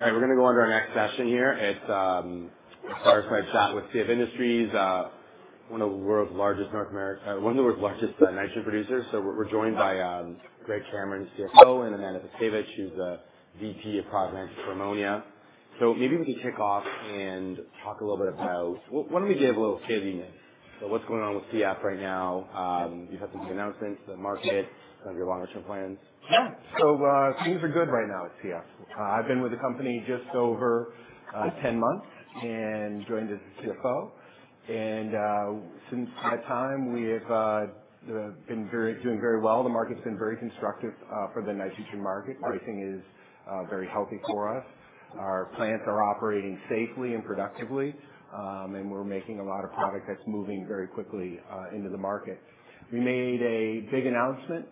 All right. We're going to go on to our next session here. It's a startup chat with CF Industries, one of the world's largest nitrogen producers. So we're joined by Greg Cameron, CFO, and Amanda Pascavage, who's the VP of Product for Ammonia. So maybe we could kick off and talk a little bit about, why don't we give a little CF Industries? So what's going on with CF right now? You've had some big announcements in the market, some of your longer-term plans. Yeah, so things are good right now at CF. I've been with the company just over 10 months and joined as the CFO, and since that time, we have been doing very well. The market's been very constructive for the nitrogen market. Pricing is very healthy for us. Our plants are operating safely and productively, and we're making a lot of product that's moving very quickly into the market. We made a big announcement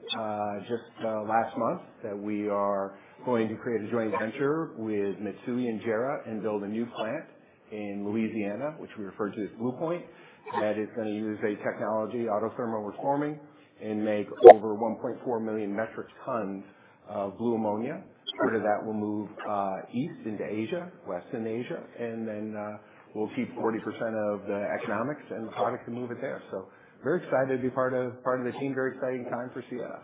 just last month that we are going to create a joint venture with Mitsui and JERA and build a new plant in Louisiana, which we refer to as Blue Point, that is going to use a technology, autothermal reforming, and make over 1.4 million metric tons of blue ammonia. Part of that will move east into Asia, west in Asia, and then we'll keep 40% of the economics and the product and move it there. So very excited to be part of the team. Very exciting time for CF.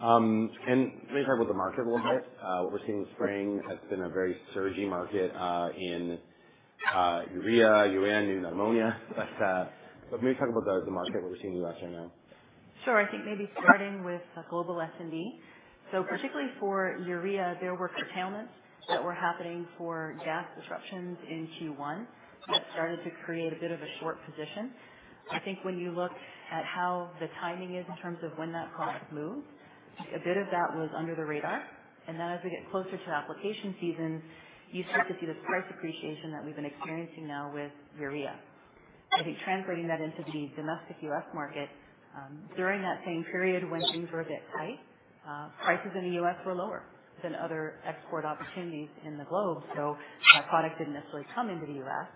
Let me talk about the market a little bit. What we're seeing this spring has been a very surgey market in urea, UAN, and ammonia. Let me talk about the market, what we're seeing in the U.S. right now. Sure. I think maybe starting with global S&D, so particularly for urea, there were curtailments that were happening for gas disruptions in Q1 that started to create a bit of a short position. I think when you look at how the timing is in terms of when that product moves, a bit of that was under the radar, and then as we get closer to application seasons, you start to see this price appreciation that we've been experiencing now with urea. I think translating that into the domestic U.S. market, during that same period when things were a bit tight, prices in the U.S. were lower than other export opportunities in the globe, so that product didn't necessarily come into the U.S.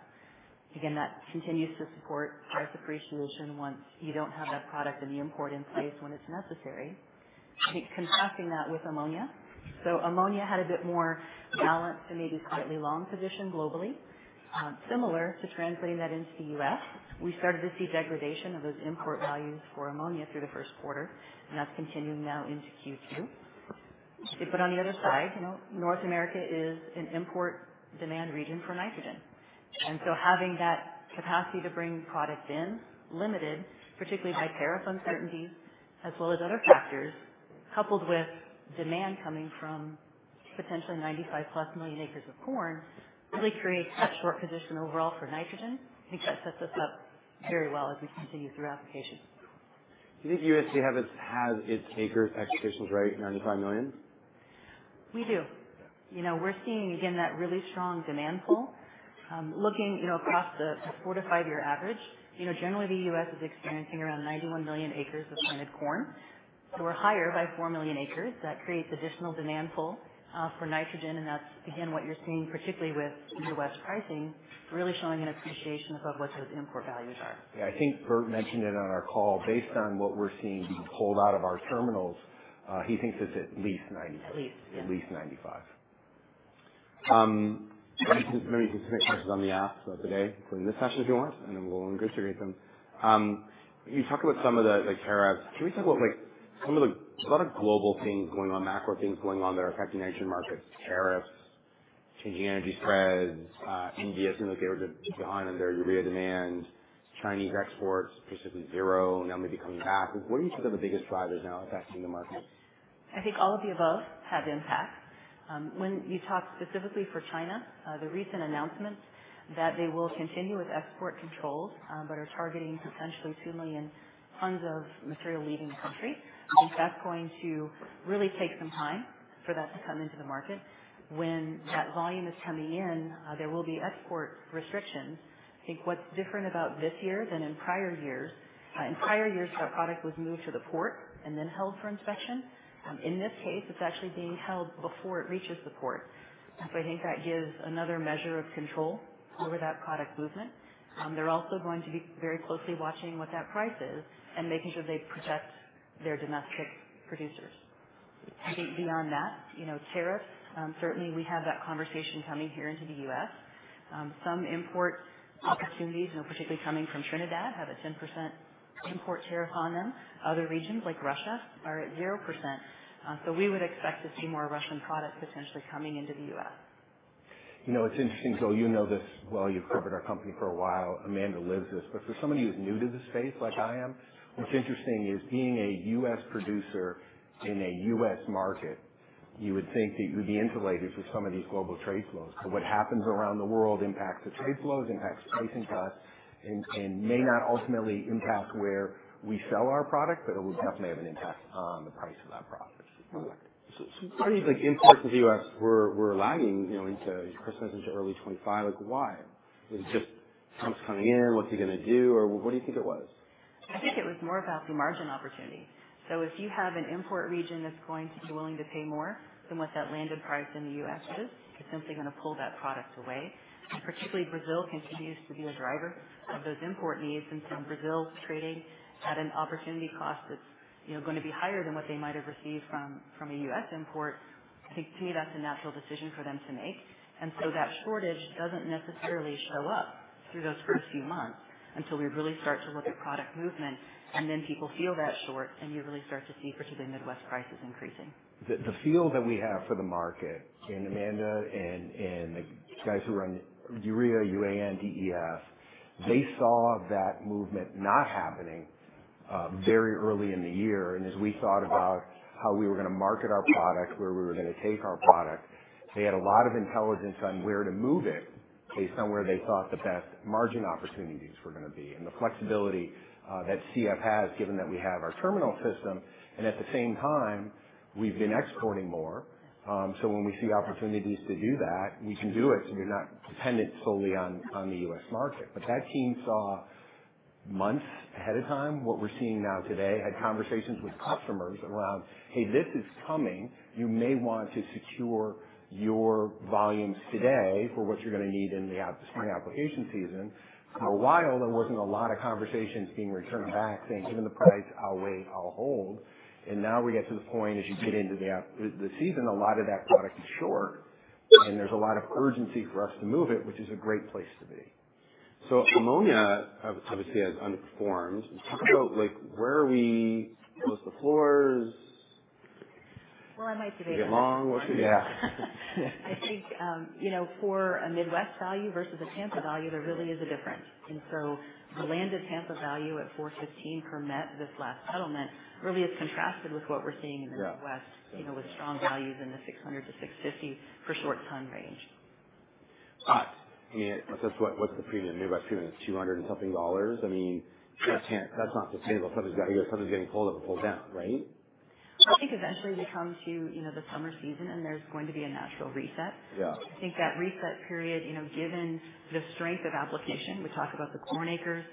Again, that continues to support price appreciation once you don't have that product and the import in place when it's necessary. I think contrasting that with ammonia. So ammonia had a bit more balance and maybe slightly long position globally. Similar to translating that into the U.S., we started to see degradation of those import values for ammonia through the first quarter, and that's continuing now into Q2. But on the other side, North America is an import demand region for nitrogen. And so having that capacity to bring product in, limited particularly by tariff uncertainties as well as other factors, coupled with demand coming from potentially 95-plus million acres of corn, really creates that short position overall for nitrogen. I think that sets us up very well as we continue through application. Do you think U.S. corn has its acreage projections right at 95 million? We do. We're seeing, again, that really strong demand pull. Looking across the four- to five-year average, generally, the U.S. is experiencing around 91 million acres of planted corn. So we're higher by 4 million acres. That creates additional demand pull for nitrogen, and that's, again, what you're seeing, particularly with U.S. pricing, really showing an appreciation of what those import values are. Yeah. I think Bert mentioned it on our call. Based on what we're seeing being pulled out of our terminals, he thinks it's at least 95. At least. At least 95. Let me just make some questions on the app for today, including this session if you want, and then we'll integrate them. You talked about some of the tariffs. Can we talk about some of the, a lot of global things going on, macro things going on that are affecting nitrogen markets? Tariffs, changing energy spreads, India seems like they were just behind on their urea demand, Chinese exports, basically zero, now maybe coming back. What do you think are the biggest drivers now affecting the market? I think all of the above have impact. When you talk specifically for China, the recent announcement that they will continue with export controls but are targeting potentially 2 million tons of material leaving the country, I think that's going to really take some time for that to come into the market. When that volume is coming in, there will be export restrictions. I think what's different about this year than in prior years, in prior years, that product was moved to the port and then held for inspection. In this case, it's actually being held before it reaches the port. So I think that gives another measure of control over that product movement. They're also going to be very closely watching what that price is and making sure they protect their domestic producers. I think beyond that, tariffs, certainly we have that conversation coming here into the U.S. Some import opportunities, particularly coming from Trinidad, have a 10% import tariff on them. Other regions like Russia are at 0%. So we would expect to see more Russian product potentially coming into the U.S. It's interesting, so you know this well. You've covered our company for a while. Amanda lives this. But for somebody who's new to the space like I am, what's interesting is being a U.S. producer in a U.S. market, you would think that you'd be insulated for some of these global trade flows. But what happens around the world impacts the trade flows, impacts pricing to us, and may not ultimately impact where we sell our product, but it will definitely have an impact on the price of that product. Why do you think imports in the U.S. were lagging into Christmas into early 2025? Why? Was it just Trump's coming in? What's he going to do? Or what do you think it was? I think it was more about the margin opportunity. So if you have an import region that's going to be willing to pay more than what that landed price in the U.S. is, it's simply going to pull that product away. Particularly, Brazil continues to be a driver of those import needs. And so Brazil trading at an opportunity cost that's going to be higher than what they might have received from a U.S. import, I think to me that's a natural decision for them to make. And so that shortage doesn't necessarily show up through those first few months until we really start to look at product movement. And then people feel that short, and you really start to see particularly Midwest prices increasing. The feel that we have for the market, and Amanda and the guys who run urea, UAN, DEF, they saw that movement not happening very early in the year. And as we thought about how we were going to market our product, where we were going to take our product, they had a lot of intelligence on where to move it based on where they thought the best margin opportunities were going to be. And the flexibility that CF has, given that we have our terminal system, and at the same time, we've been exporting more. So when we see opportunities to do that, we can do it. So you're not dependent solely on the U.S. market. But that team saw months ahead of time what we're seeing now today, had conversations with customers around, "Hey, this is coming. You may want to secure your volumes today for what you're going to need in the spring application season." For a while, there wasn't a lot of conversations being returned back saying, "Given the price, I'll wait. I'll hold," and now we get to the point as you get into the season, a lot of that product is short, and there's a lot of urgency for us to move it, which is a great place to be, so ammonia obviously has underperformed. Talk about where are we close to floors? I might debate that. We get long? Yeah. I think for a Midwest value versus a Tampa value, there really is a difference, and so the landed Tampa value at $415 per met this last settlement really is contrasted with what we're seeing in the Midwest with strong values in the $600-$650 for short-ton range. But I mean, that's what the nearby premium is, $200 and something dollars. I mean, that's not sustainable. Something's got to go. Something's getting pulled up and pulled down, right? I think eventually we come to the summer season, and there's going to be a natural reset. I think that reset period, given the strength of application, we talk about the corn acres,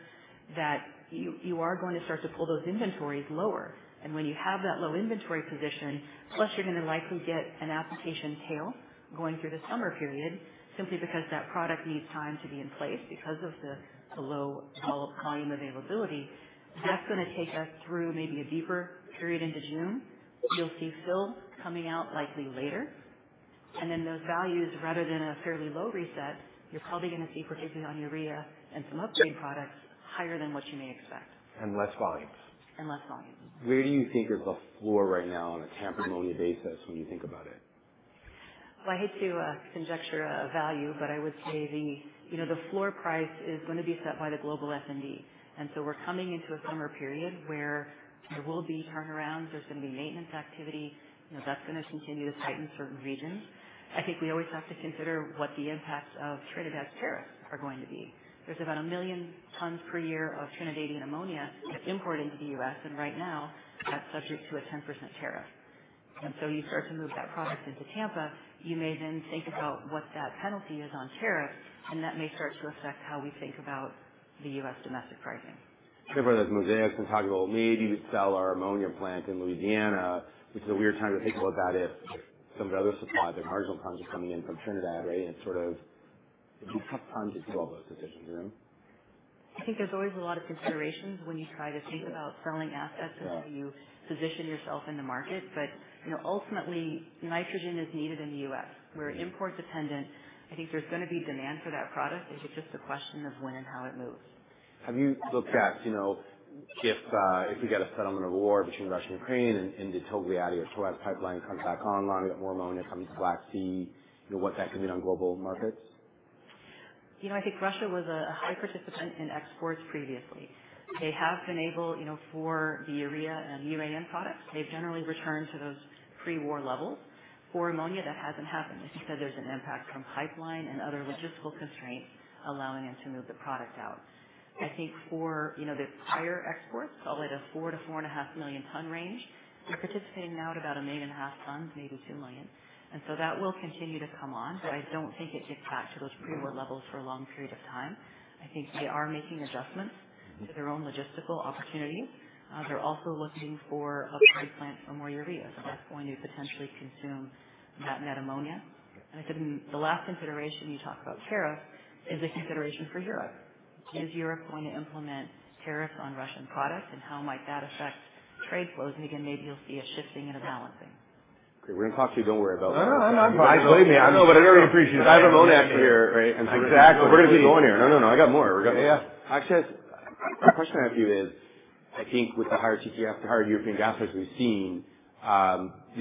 that you are going to start to pull those inventories lower. And when you have that low inventory position, plus you're going to likely get an application tail going through the summer period simply because that product needs time to be in place because of the low volume availability. That's going to take us through maybe a deeper period into June. You'll see fill coming out likely later. And then those values, rather than a fairly low reset, you're probably going to see, particularly on urea and some upstream products, higher than what you may expect. And less volumes. And less volumes. Where do you think is the floor right now on a Tampa-ammonia basis when you think about it? Well, I hate to conjecture a value, but I would say the floor price is going to be set by the global S&D. And so we're coming into a summer period where there will be turnarounds. There's going to be maintenance activity. That's going to continue to tighten certain regions. I think we always have to consider what the impacts of Trinidad's tariffs are going to be. There's about 1 million tons per year of Trinidadian ammonia imported into the U.S., and right now, that's subject to a 10% tariff. And so you start to move that product into Tampa, you may then think about what that penalty is on tariffs, and that may start to affect how we think about the U.S. domestic pricing. Everyone has Mosaic and talks about, "Well, maybe we'd sell our ammonia plant in Louisiana," which is a weird time to think about that if some of the other supplies, like marginal tons, are coming in from Trinidad, right? And it's sort of tough times to do all those decisions, isn't it? I think there's always a lot of considerations when you try to think about selling assets and how you position yourself in the market. But ultimately, nitrogen is needed in the U.S. We're import-dependent. I think there's going to be demand for that product. It's just a question of when and how it moves. Have you looked at if we get a settlement of war between Russia and Ukraine and the Togliatti-Odessa pipeline comes back online, we got more ammonia coming to the Black Sea, what that could mean on global markets? I think Russia was a high participant in exports previously. They have been able for the urea and UAN products, they've generally returned to those pre-war levels. For ammonia, that hasn't happened. As you said, there's an impact from pipeline and other logistical constraints allowing them to move the product out. I think for the prior exports, call it a 4 million-4.5 million ton range, they're participating now at about 1.5 million tons, maybe 2 million. And so that will continue to come on, but I don't think it gets back to those pre-war levels for a long period of time. I think they are making adjustments to their own logistical opportunities. They're also looking for a pipeline for more urea. So that's going to potentially consume that net ammonia. And I said, the last consideration you talk about, tariffs, is a consideration for Europe. Is Europe going to implement tariffs on Russian products, and how might that affect trade flows? And again, maybe you'll see a shifting and a balancing. Okay. We're going to talk to you. Don't worry about that. No, no, I'm not buying it. Believe me. No, but I really appreciate it. I have ammonia out here, right? Exactly. We're going to keep going here. No, no, no. I got more. We're going. Yeah. Actually, my question I have for you is, I think with the higher TTF, the higher European gas prices we've seen,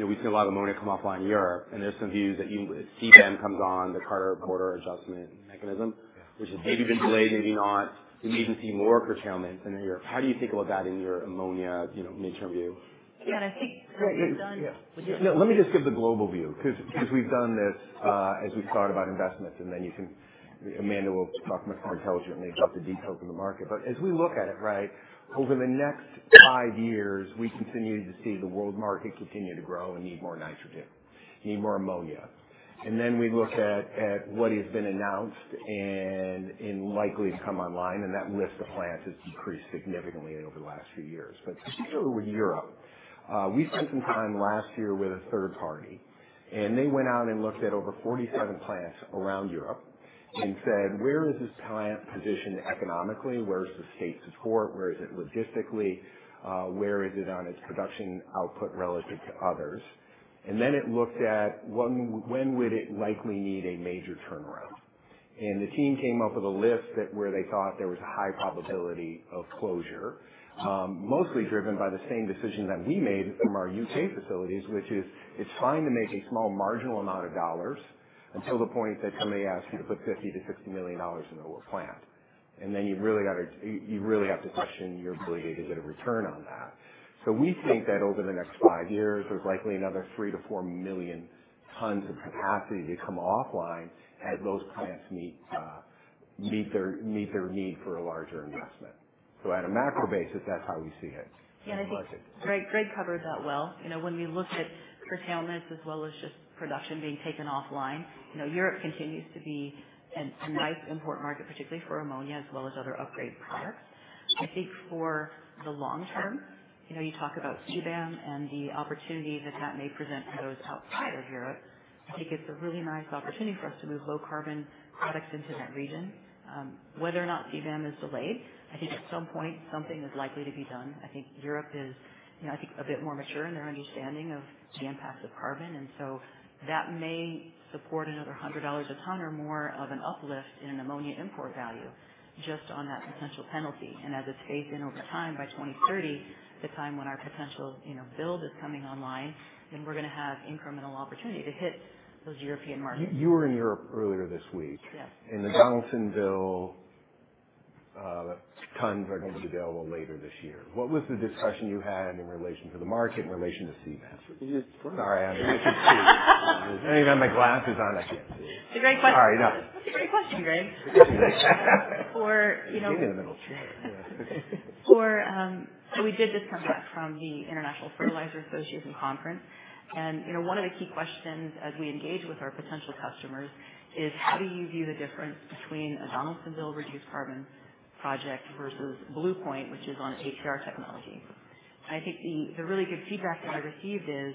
we've seen a lot of ammonia come offline in Europe. And there's some views that CBAM comes on, the Carbon Border Adjustment Mechanism, which has maybe been delayed, maybe not. We may even see more curtailments in Europe. How do you think about that in your ammonia midterm view? Yeah, and I think what we've done. Yeah. Let me just give the global view because we've done this as we've thought about investments, and then Amanda will talk much more intelligently about the details in the market, but as we look at it, right, over the next five years, we continue to see the world market continue to grow and need more nitrogen, need more ammonia, and then we look at what has been announced and likely to come online, and that list of plants has decreased significantly over the last few years, but particularly with Europe, we spent some time last year with a third party, and they went out and looked at over 47 plants around Europe and said, "Where is this plant positioned economically? Where is the state support? Where is it logistically? Where is it on its production output relative to others?" Then it looked at when would it likely need a major turnaround. The team came up with a list where they thought there was a high probability of closure, mostly driven by the same decision that we made from our U.K. facilities, which is it's fine to make a small marginal amount of dollars until the point that somebody asks you to put $50 million-$60 million into a plant. Then you really have to question your ability to get a return on that. We think that over the next five years, there's likely another 3 million-4 million tons of capacity to come offline as those plants meet their need for a larger investment. On a macro basis, that's how we see it. Yeah. And I think Greg covered that well. When we look at curtailments as well as just production being taken offline, Europe continues to be a nice import market, particularly for ammonia as well as other upgrade products. I think for the long term, you talk about CBAM and the opportunity that that may present for those outside of Europe. I think it's a really nice opportunity for us to move low-carbon products into that region. Whether or not CBAM is delayed, I think at some point something is likely to be done. I think Europe is, I think, a bit more mature in their understanding of the impacts of carbon. And so that may support another $100 a ton or more of an uplift in an ammonia import value just on that potential penalty. And as it's phased in over time by 2030, the time when our potential build is coming online, then we're going to have incremental opportunity to hit those European markets. You were in Europe earlier this week. Yes. The Donaldsonville tons are going to be available later this year. What was the discussion you had in relation to the market, in relation to CBAM? It's funny. Sorry, I can't see. I don't even have my glasses on. I can't see. It's a great question. Sorry. It's a great question, Greg. It's in the middle. We just came back from the International Fertilizer Association Conference. One of the key questions as we engage with our potential customers is, how do you view the difference between a Donaldsonville reduced carbon project versus Blue Point, which is on ATR technology? I think the really good feedback that I received is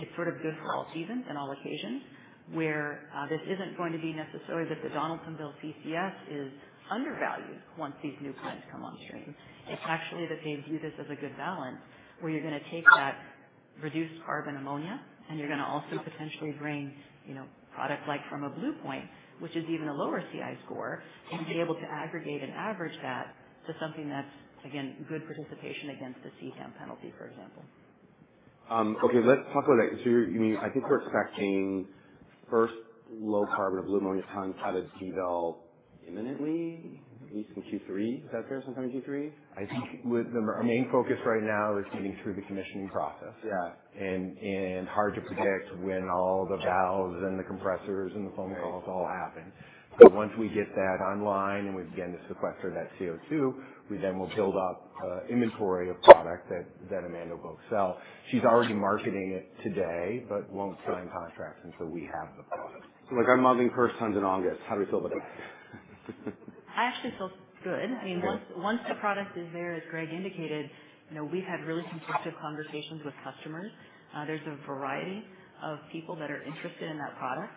it's sort of good for all seasons and all occasions where this isn't going to be necessarily that the Donaldsonville CCS is undervalued once these new plants come on stream. It's actually that they view this as a good balance where you're going to take that reduced carbon ammonia, and you're going to also potentially bring product like from a Blue Point, which is even a lower CI score, and be able to aggregate and average that to something that's, again, good participation against the CBAM penalty, for example. Okay. Let's talk about that. So I think we're expecting first low-carbon blue ammonia tons out of DVL imminently, at least in Q3. Is that fair? Sometime in Q3? I think our main focus right now is getting through the commissioning process. Yeah. Hard to predict when all the valves and the compressors and the phone calls all happen. Once we get that online and we begin to sequester that CO2, we then will build up an inventory of product that Amanda will sell. She's already marketing it today but won't sign contracts until we have the product. So I'm modeling first tons in August. How do we feel about that? I actually feel good. I mean, once the product is there, as Greg indicated, we've had really constructive conversations with customers. There's a variety of people that are interested in that product.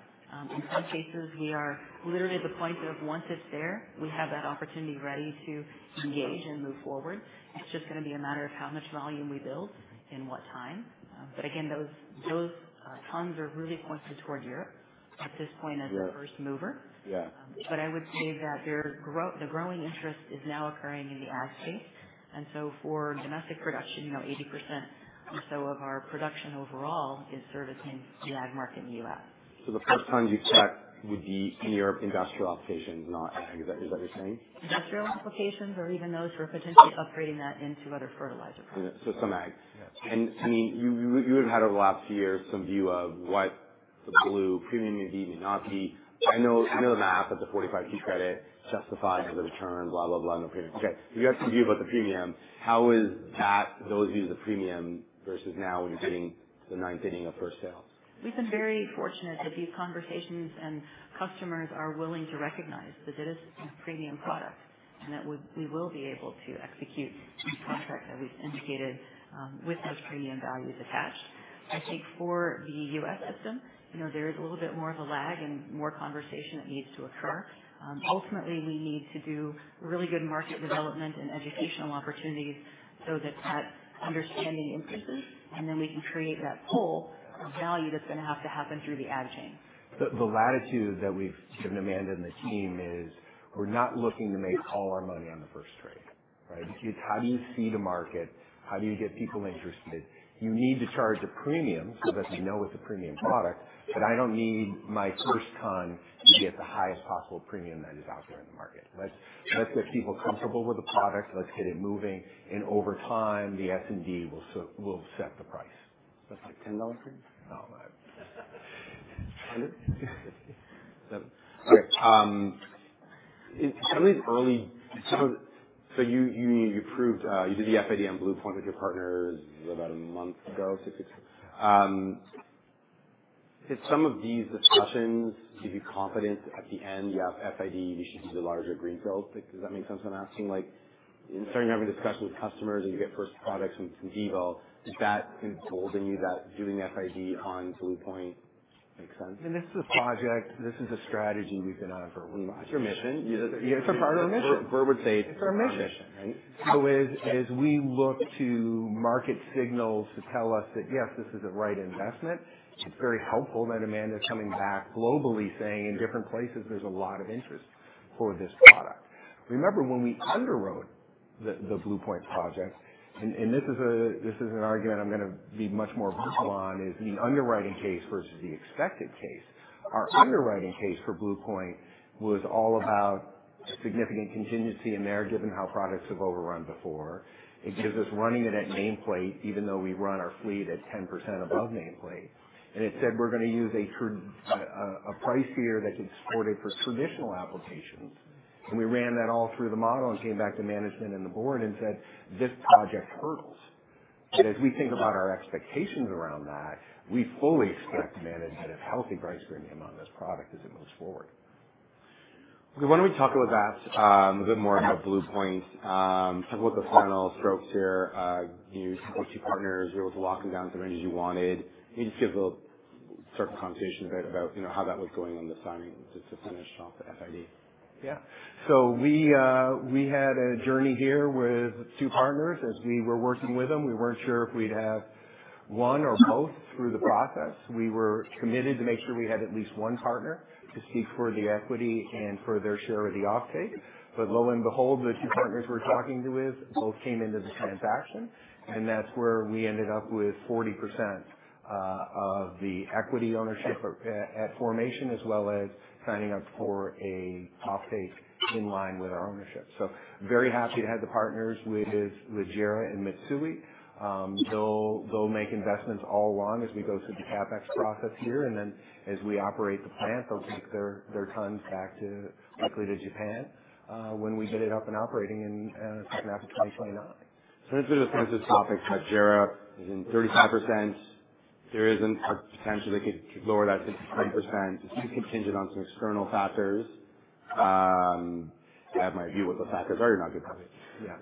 In some cases, we are literally at the point of once it's there, we have that opportunity ready to engage and move forward. It's just going to be a matter of how much volume we build and what time. But again, those tons are really pointed toward Europe at this point as the first mover. But I would say that the growing interest is now occurring in the ag space. And so for domestic production, 80% or so of our production overall is servicing the ag market in the U.S. So the first tons you expect would be in your industrial applications, not ag. Is that what you're saying? Industrial applications or even those who are potentially upgrading that into other fertilizer products. So, some ag, and I mean, you would have had over the last few years some view of what the blue premium may be, may not be. I know the math that the 45Q credit justifies the return, blah, blah, blah, no premium. Okay, so you have some view about the premium. How is that, those views of premium versus now when you're getting to the ninth inning of first sales? We've been very fortunate that these conversations and customers are willing to recognize that it is a premium product and that we will be able to execute the contract that we've indicated with those premium values attached. I think for the U.S. system, there is a little bit more of a lag and more conversation that needs to occur. Ultimately, we need to do really good market development and educational opportunities so that that understanding increases, and then we can create that pull of value that's going to have to happen through the ag chain. The latitude that we've given Amanda and the team is we're not looking to make all our money on the first trade, right? How do you feed a market? How do you get people interested? You need to charge a premium so that they know it's a premium product, but I don't need my first ton to get the highest possible premium that is out there in the market. Let's get people comfortable with the product. Let's get it moving. And over time, the S&D will set the price. That's like $10 for you? Okay. Some of these early, so you did the FID on Blue Point with your partners about a month ago, six weeks ago. Did some of these discussions give you confidence at the end? Yeah, FID, we should use a larger greenfield. Does that make sense what I'm asking, and starting having discussions with customers and you get first products from DVL, is that emboldening you that doing FID on Blue Point makes sense? I mean, this is a project. This is a strategy we've been on for a long time. It's your mission. It's a part of our mission. We would say it's our mission. It's our mission, right? As we look to market signals to tell us that, yes, this is the right investment. It's very helpful that Amanda is coming back globally saying in different places there's a lot of interest for this product. Remember when we underwrote the Blue Point project, and this is an argument I'm going to be much more vocal on, is the underwriting case versus the expected case. Our underwriting case for Blue Point was all about significant contingency in there given how products have overrun before. It gives us running it at nameplate even though we run our fleet at 10% above nameplate, and it said we're going to use a price tier that can support it for traditional applications. And we ran that all through the model and came back to management and the board and said, "This project hurdles." But as we think about our expectations around that, we fully expect management a healthy price premium on this product as it moves forward. Okay. Why don't we talk about that a bit more about Blue Point? Talk about the final strokes here. You spoke to your partners. You were able to lock them down to the ranges you wanted. Can you just give a little start conversation a bit about how that was going on the signing to finish off the FID? Yeah. So we had a journey here with two partners as we were working with them. We weren't sure if we'd have one or both through the process. We were committed to make sure we had at least one partner to speak for the equity and for their share of the offtake. But lo and behold, the two partners we're talking to with both came into the transaction, and that's where we ended up with 40% of the equity ownership at formation as well as signing up for a offtake in line with our ownership. So very happy to have the partners with JERA and Mitsui. They'll make investments all along as we go through the CapEx process here. And then as we operate the plant, they'll take their tons back to likely Japan when we get it up and operating in 2029. So let's go to the closest topics. Like JERA is in 35%. There is a potential they could lower that to 20%. It's contingent on some external factors. I have my view what those factors are. You're not good about it. Yeah.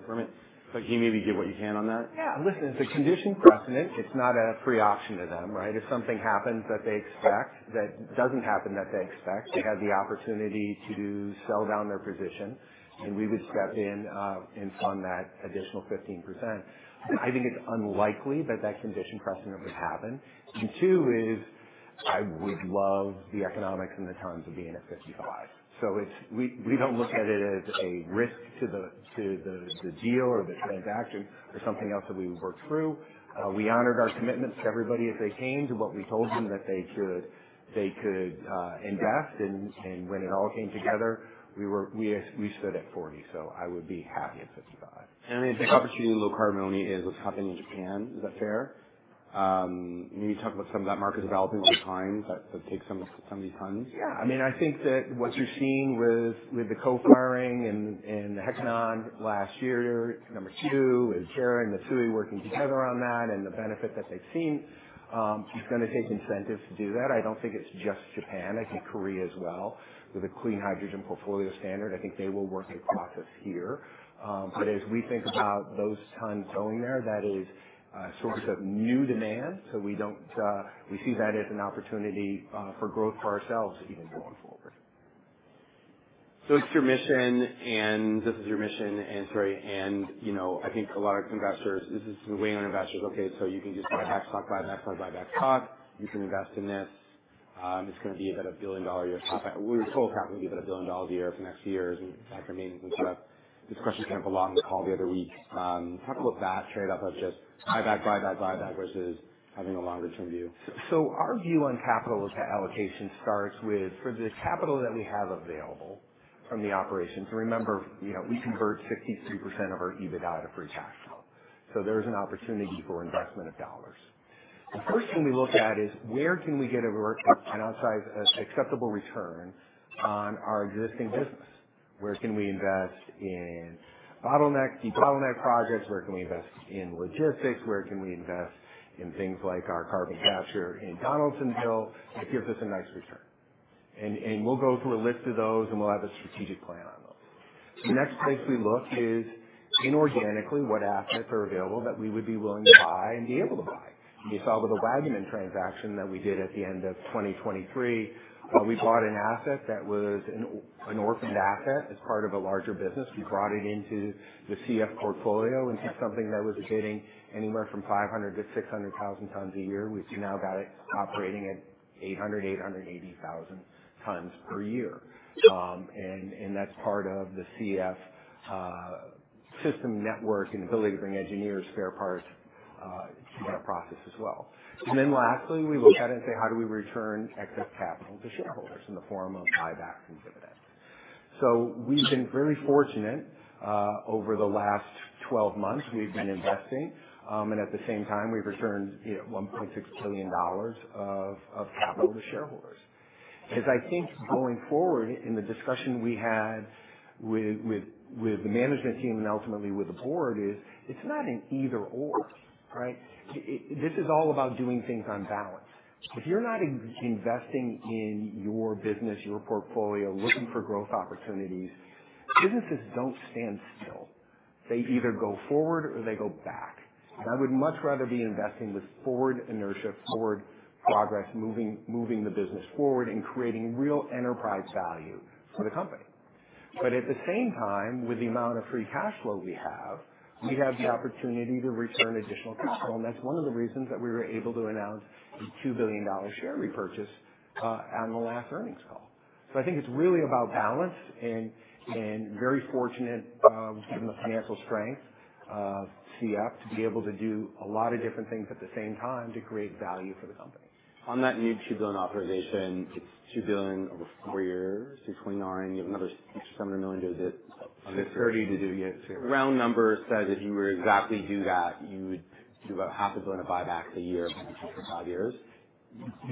But can you maybe give what you can on that? Yeah. Listen, it's a condition precedent. It's not a free option to them, right? If something happens that they expect that doesn't happen that they expect, they have the opportunity to sell down their position, and we would step in and fund that additional 15%. I think it's unlikely that that condition precedent would happen. And two is I would love the economics and the tons of being at 55%. So we don't look at it as a risk to the deal or the transaction or something else that we would work through. We honored our commitments to everybody as they came to what we told them that they could invest. And when it all came together, we stood at 40%. So I would be happy at 55%. And I mean, it's a big opportunity in low-carbon ammonia is what's happening in Japan. Is that fair? Maybe talk about some of that market developing over time that takes some of these tons. Yeah. I mean, I think that what you're seeing with the co-firing and the Hekinan last year, number two, with JERA and Mitsui working together on that and the benefit that they've seen, it's going to take incentives to do that. I don't think it's just Japan. I think Korea as well with a clean hydrogen portfolio standard. I think they will work the process here, but as we think about those tons going there, that is a source of new demand, so we see that as an opportunity for growth for ourselves even going forward. So it's your mission, and this is your mission, and, sorry. And I think a lot of investors, this weighs on investors. Okay. So you can just buy back stock, buy back stock, buy back stock. You can invest in this. It's going to be about $1 billion a year. We were told stock will be about $1 billion a year for next year's buybacks remain and stuff. This question came up a lot in the call the other week. Talk about that trade-off of just buy back, buy back, buy back versus having a longer-term view. Our view on capital allocation starts with for the capital that we have available from the operations. And remember, we convert 63% of our EBITDA out of free cash flow. So there is an opportunity for investment of dollars. The first thing we look at is where can we get an acceptable return on our existing business? Where can we invest in bottleneck, deep bottleneck projects? Where can we invest in logistics? Where can we invest in things like our carbon capture in Donaldsonville that gives us a nice return? And we'll go through a list of those, and we'll have a strategic plan on those. The next place we look is inorganically what assets are available that we would be willing to buy and be able to buy. We saw with the Waggaman transaction that we did at the end of 2023, we bought an asset that was an orphaned asset as part of a larger business. We brought it into the CF portfolio into something that was bidding anywhere from 500,000 tons-600,000 tons a year. We've now got it operating at 800,000 tons-880,000 tons per year. And that's part of the CF system network and ability to bring engineers, spare parts to that process as well. And then lastly, we look at it and say, how do we return excess capital to shareholders in the form of buybacks and dividends? So we've been very fortunate over the last 12 months. We've been investing. And at the same time, we've returned $1.6 billion of capital to shareholders. Because I think going forward in the discussion we had with the management team and ultimately with the board is it's not an either/or, right? This is all about doing things on balance. If you're not investing in your business, your portfolio, looking for growth opportunities, businesses don't stand still. They either go forward or they go back. And I would much rather be investing with forward inertia, forward progress, moving the business forward and creating real enterprise value for the company. But at the same time, with the amount of free cash flow we have, we have the opportunity to return additional capital. And that's one of the reasons that we were able to announce a $2 billion share repurchase on the last earnings call. So I think it's really about balance and very fortunate given the financial strength of CF to be able to do a lot of different things at the same time to create value for the company. On that new $2 billion authorization, it's $2 billion over four years, $629 million. You have another $670 million to do. On the $30 million to do yet. Round number says if you were to exactly do that, you would do about $500 million of buybacks a year for five years.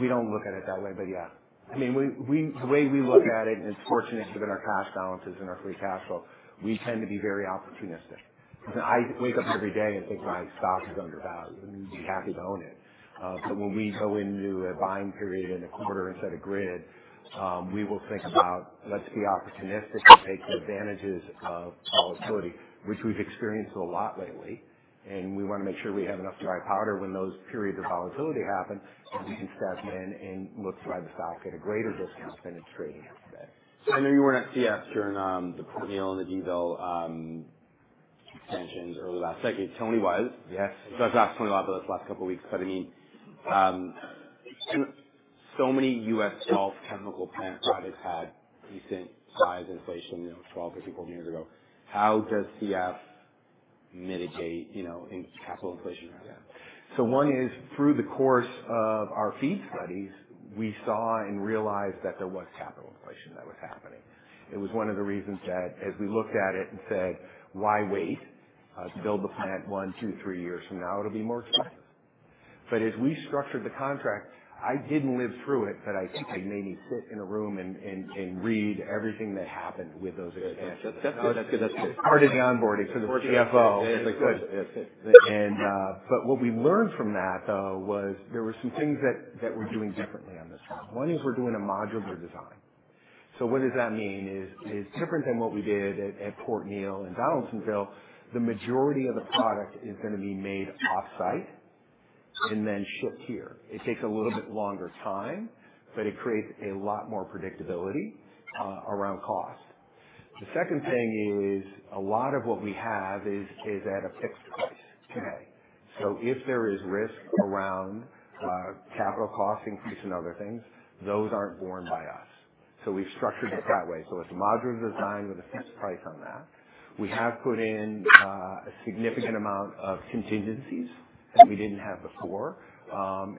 We don't look at it that way, but yeah. I mean, the way we look at it, and it's fortunate given our cash balances and our free cash flow, we tend to be very opportunistic. I wake up every day and think my stock is undervalued. I'm happy to own it. But when we go into a buying period in a quarter instead of grid, we will think about, let's be opportunistic and take the advantages of volatility, which we've experienced a lot lately. And we want to make sure we have enough dry powder when those periods of volatility happen so we can step in and look to buy the stock at a greater discount than it's trading at today. So I know you were at CF during the Port Neal and the DVL extensions early last second. Tony was. Yes. So that's a lot, Tony, but that's the last couple of weeks. But I mean, so many U.S. Gulf Coast chemical plant projects had decent-size inflation 12, 13, 14 years ago. How does CF mitigate capital inflation? Yeah. So one is, through the course of our feed studies, we saw and realized that there was capital inflation that was happening. It was one of the reasons that as we looked at it and said, why wait to build the plant one, two, three years from now? It'll be more expensive. But as we structured the contract, I didn't live through it, but I think I maybe sit in a room and read everything that happened with those expansions. That's good. That's good. That's good. Part of the onboarding for the CFO. That's good. What we learned from that, though, was there were some things that we're doing differently on this front. One is we're doing a modular design. So what does that mean is different than what we did at Port Neal and Donaldsonville, the majority of the product is going to be made offsite and then shipped here. It takes a little bit longer time, but it creates a lot more predictability around cost. The second thing is a lot of what we have is at a fixed price today. So if there is risk around capital cost increase and other things, those aren't borne by us. We've structured it that way. It's a modular design with a fixed price on that. We have put in a significant amount of contingencies that we didn't have before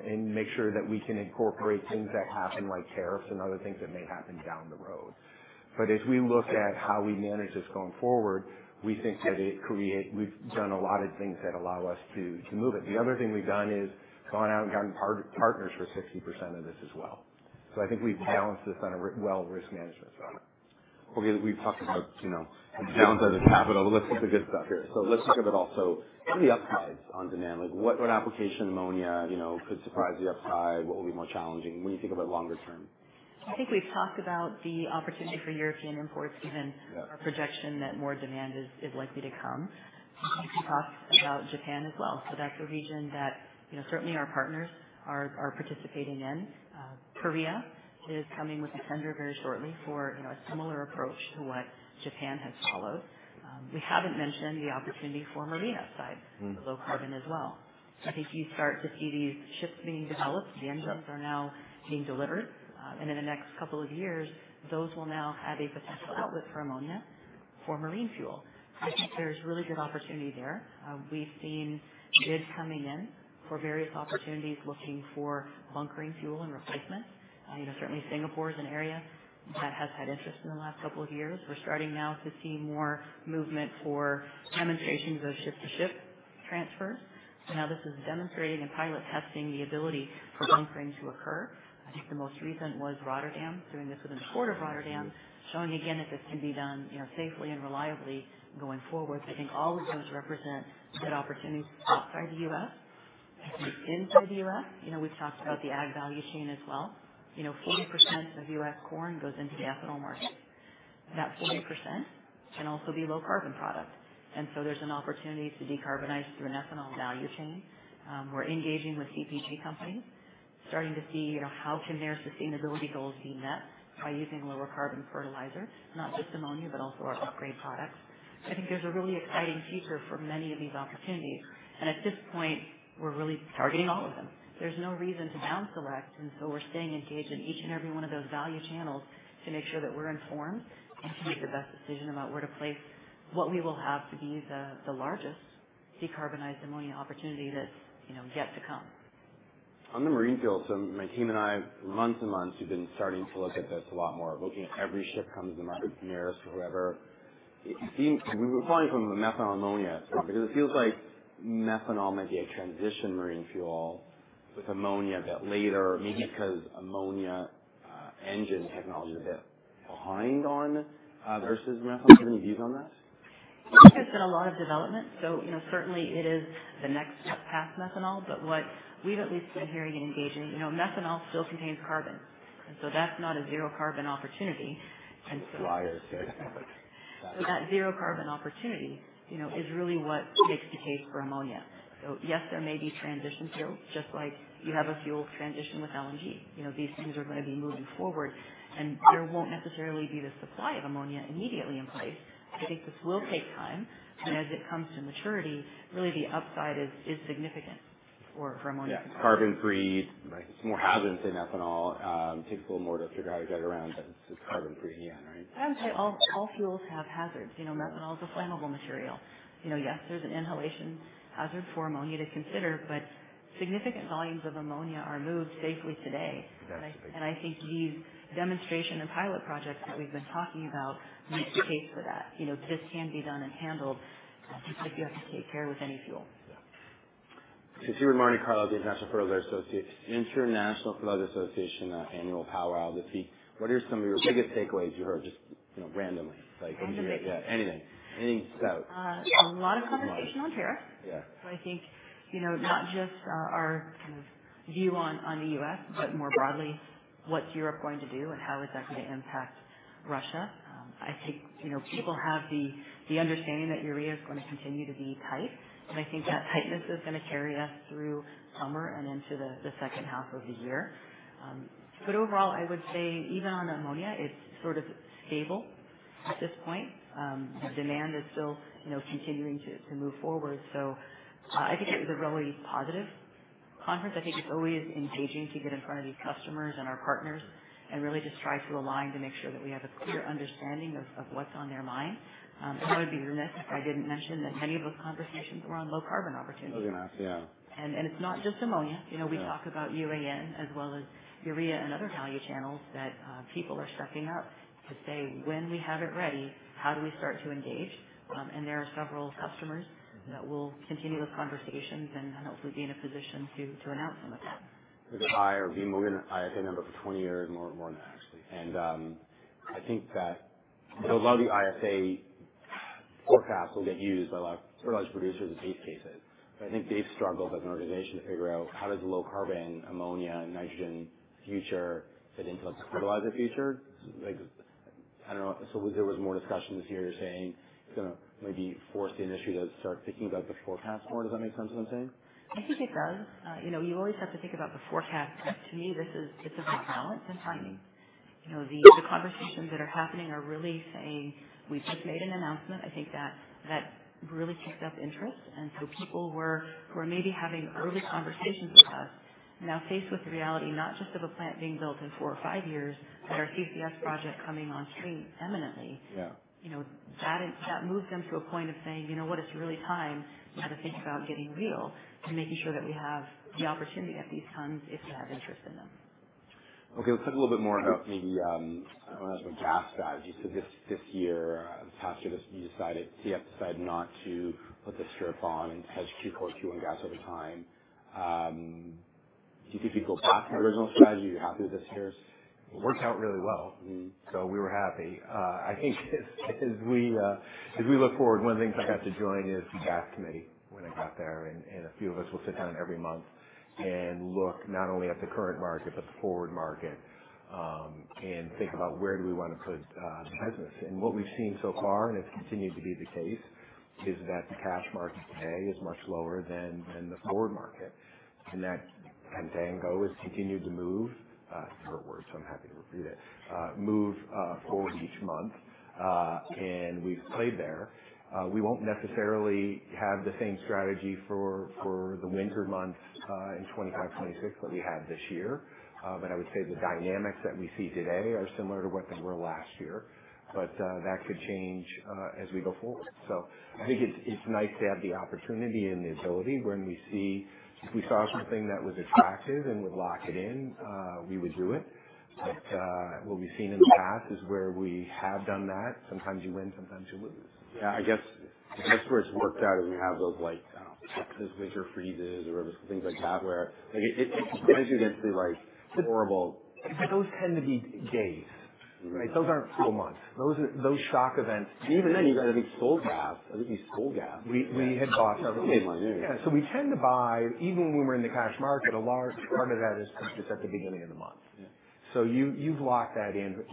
and make sure that we can incorporate things that happen like tariffs and other things that may happen down the road but as we look at how we manage this going forward, we think that it creates. We've done a lot of things that allow us to move it. The other thing we've done is gone out and gotten partners for 60% of this as well, so I think we've balanced this on a well risk management side. Okay. We've talked about downside of capital. Let's look at the good stuff here. So let's think of it also. What are the upsides on demand? What application ammonia could surprise the upside? What will be more challenging when you think about longer term? I think we've talked about the opportunity for European imports given our projection that more demand is likely to come. We talked about Japan as well, so that's a region that certainly our partners are participating in. Korea is coming with a tender very shortly for a similar approach to what Japan has followed. We haven't mentioned the opportunity for marine upside, the low carbon as well. I think you start to see these ships being developed. The engines are now being delivered, and in the next couple of years, those will now have a potential outlet for ammonia for marine fuel. I think there's really good opportunity there. We've seen bids coming in for various opportunities looking for bunkering fuel and replacement. Certainly, Singapore is an area that has had interest in the last couple of years. We're starting now to see more movement for demonstrations of ship-to-ship transfers. Now this is demonstrating and pilot testing the ability for bunkering to occur. I think the most recent was Rotterdam doing this within the port of Rotterdam, showing again that this can be done safely and reliably going forward. I think all of those represent good opportunities outside the U.S. and inside the U.S. We talked about the ag value chain as well. 40% of U.S. corn goes into the ethanol market. That 40% can also be low carbon product. And so there's an opportunity to decarbonize through an ethanol value chain. We're engaging with CPG companies, starting to see how can their sustainability goals be met by using lower carbon fertilizer, not just ammonia, but also our upgrade products. I think there's a really exciting future for many of these opportunities. And at this point, we're really targeting all of them. There's no reason to downselect. And so we're staying engaged in each and every one of those value channels to make sure that we're informed and can make the best decision about where to place what we will have to be the largest decarbonized ammonia opportunity that's yet to come. On the marine fuel system, my team and I, months and months, we've been starting to look at this a lot more, looking at every ship comes to the market nearest for whoever. We were calling from the methanol ammonia because it feels like methanol might be a transition marine fuel with ammonia a bit later, maybe because ammonia engine technology is a bit behind on versus methanol. Do you have any views on that? I think there's been a lot of development. So certainly, it is the next step past methanol. But what we've at least been hearing and engaging, methanol still contains carbon. And so that's not a zero carbon opportunity. That's why I said that. So that zero carbon opportunity is really what makes the case for ammonia. So yes, there may be transition fuels, just like you have a fuel transition with LNG. These things are going to be moving forward. And there won't necessarily be the supply of ammonia immediately in place. I think this will take time. But as it comes to maturity, really the upside is significant for ammonia. It's carbon-free. It's more hazardous than ethanol. It takes a little more to figure how to get around, but it's carbon-free in the end, right? I would say all fuels have hazards. Methanol is a flammable material. Yes, there's an inhalation hazard for ammonia to consider, but significant volumes of ammonia are moved safely today. And I think these demonstration and pilot projects that we've been talking about make the case for that. This can be done and handled just like you have to take care with any fuel. Yeah. Since you were in Morocco, the International Fertilizer Association Annual Conference, what are some of your biggest takeaways you heard just randomly? I'll give it. Yeah, anything. Anything to shout? A lot of conversation on tariffs. So I think not just our kind of view on the U.S., but more broadly, what's Europe going to do and how is that going to impact Russia? I think people have the understanding that urea is going to continue to be tight. And I think that tightness is going to carry us through summer and into the second half of the year. But overall, I would say even on ammonia, it's sort of stable at this point. Demand is still continuing to move forward. So I think it was a really positive conference. I think it's always engaging to get in front of these customers and our partners and really just try to align to make sure that we have a clear understanding of what's on their mind. I would be remiss if I didn't mention that many of those conversations were on low carbon opportunities. Enough, yeah. And it's not just ammonia. We talk about UAN as well as urea and other value channels that people are stepping up to say, when we have it ready, how do we start to engage? And there are several customers that will continue those conversations and hopefully be in a position to announce some of that. With the IFA being moved in IFA member for 20 years and more than that, actually. And I think that a lot of the IFA forecasts will get used by a lot of fertilizer producers as base cases. But I think they've struggled as an organization to figure out how does low-carbon ammonia and nitrogen future fit into a fertilizer future? I don't know. So there was more discussion this year saying it's going to maybe force the industry to start thinking about the forecast more. Does that make sense what I'm saying? I think it does. You always have to think about the forecast. To me, this is a balance and timing. The conversations that are happening are really saying, "We've just made an announcement." I think that really picked up interest. And so people were maybe having early conversations with us. Now, faced with the reality not just of a plant being built in four or five years, but our CCS project coming on stream imminently. That moved them to a point of saying, "You know what, it's really time to think about getting real and making sure that we have the opportunity at these times if you have interest in them. Okay. Let's talk a little bit more about maybe I want to ask about gas strategy. So this year, this past year, you decided CF decided not to put the strip on and hedge gas over time. Do you think we'd go back to the original strategy? Are you happy with this year's? It worked out really well, so we were happy. I think as we look forward, one of the things I got to join is the gas committee when I got there, and a few of us will sit down every month and look not only at the current market, but the forward market and think about where do we want to put the business, and what we've seen so far, and it's continued to be the case, is that the cash market today is much lower than the forward market, and that contango has continued to move. It's a hard word, so I'm happy to repeat it. Move forward each month, and we've played there. We won't necessarily have the same strategy for the winter months in 2025, 2026 that we had this year. But I would say the dynamics that we see today are similar to what they were last year. But that could change as we go forward. So I think it's nice to have the opportunity and the ability when we see if we saw something that was attractive and would lock it in, we would do it. But what we've seen in the past is where we have done that. Sometimes you win, sometimes you lose. Yeah. I guess that's where it's worked out is we have those winter freezes or things like that where it surprised you to be horrible. But those tend to be days. Those aren't full months. Those shock events. Even then, you guys, I think, sold gas. I think you sold gas. We had bought. Okay. Yeah. So we tend to buy, even when we're in the cash market, a large part of that is just at the beginning of the month. So you've locked that in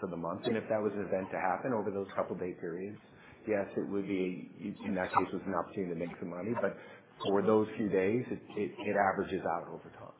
for the month. And if that was an event to happen over those couple of day periods, yes, it would be, in that case, was an opportunity to make some money. But for those few days, it averages out over time.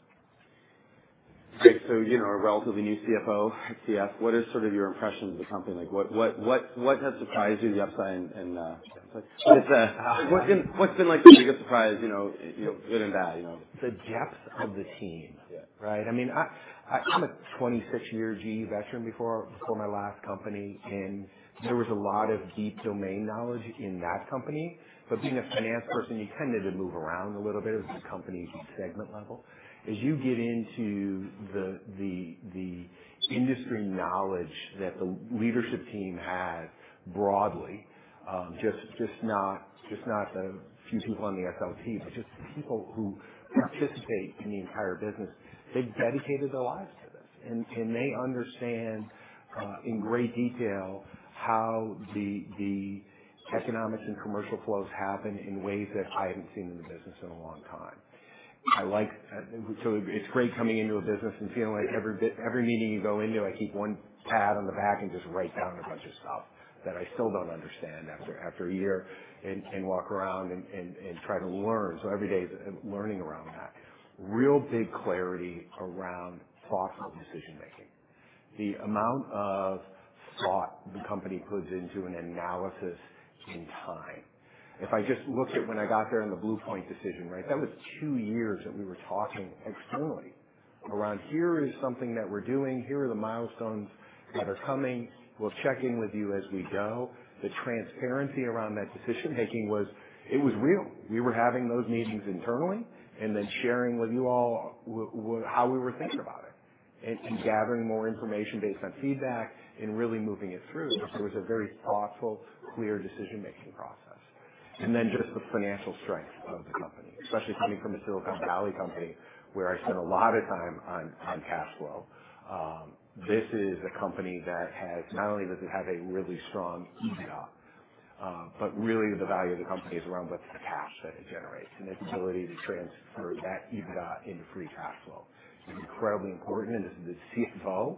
Okay. So, a relatively new CFO at CF, what are sort of your impressions of the company? What has surprised you, the upside and downside? What's been the biggest surprise, good and bad? The depth of the team, right? I mean, I'm a 26-year GE veteran before my last company, and there was a lot of deep domain knowledge in that company, but being a finance person, you tended to move around a little bit of companies at segment level. As you get into the industry knowledge that the leadership team had broadly, just not the few people on the SLT, but just people who participate in the entire business, they've dedicated their lives to this, and they understand in great detail how the economic and commercial flows happen in ways that I haven't seen in the business in a long time. So it's great coming into a business and feeling like every meeting you go into, I keep one pad on the back and just write down a bunch of stuff that I still don't understand after a year and walk around and try to learn. So every day is learning around that. Real big clarity around thoughtful decision-making. The amount of thought the company puts into an analysis in time. If I just looked at when I got there in the Blue Point decision, right, that was two years that we were talking externally around, here is something that we're doing, here are the milestones that are coming. We'll check in with you as we go. The transparency around that decision-making was it was real. We were having those meetings internally and then sharing with you all how we were thinking about it and gathering more information based on feedback and really moving it through. There was a very thoughtful, clear decision-making process, and then just the financial strength of the company, especially coming from a Silicon Valley company where I spent a lot of time on cash flow. This is a company that has not only does it have a really strong EBITDA, but really the value of the company is around what's the cash that it generates and its ability to transfer that EBITDA into free cash flow. It's incredibly important, and as the CFO,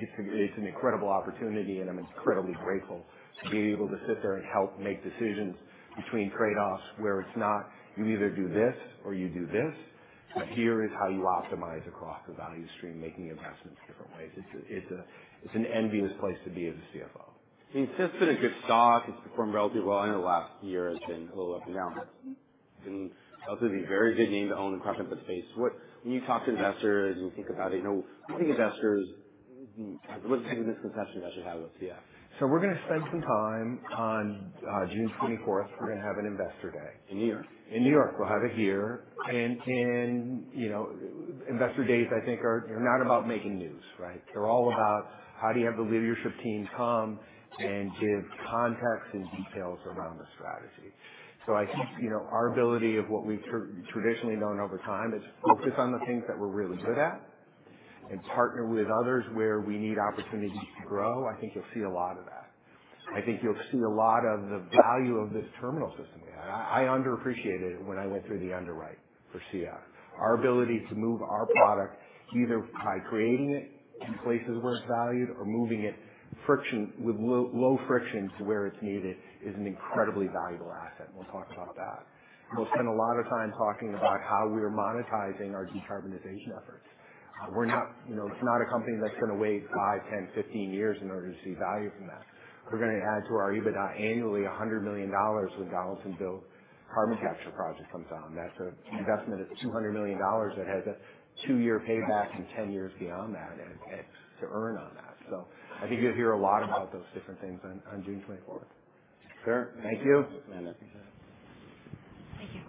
it's an incredible opportunity, and I'm incredibly grateful to be able to sit there and help make decisions between trade-offs where it's not, you either do this or you do this. But here is how you optimize across the value stream, making investments different ways. It's an enviable place to be as a CFO. It's just been a good stock. It's performed relatively well. I know the last year has been a little up and down. It's been relatively a very good name to own and crop in the space. When you talk to investors and you think about it, what do you think, investors? What's the misconception you actually have about CF? We're going to spend some time on June 24th. We're going to have an Investor Day. In New York. In New York. We'll have it here. And Investor Days, I think, are not about making news, right? They're all about how do you have the leadership team come and give context and details around the strategy. So I think our ability of what we've traditionally known over time is focus on the things that we're really good at and partner with others where we need opportunities to grow. I think you'll see a lot of that. I think you'll see a lot of the value of this terminal system we have. I underappreciated it when I went through the underwrite for CF. Our ability to move our product either by creating it in places where it's valued or moving it with low friction to where it's needed is an incredibly valuable asset. We'll talk about that. We'll spend a lot of time talking about how we're monetizing our decarbonization efforts. We're not a company that's going to wait five, 10, 15 years in order to see value from that. We're going to add to our EBITDA annually $100 million when Donaldsonville Carbon Capture Project comes on. That's an investment of $200 million that has a two-year payback and 10 years beyond that to earn on that. So I think you'll hear a lot about those different things on June 24th. Sure. Thank you.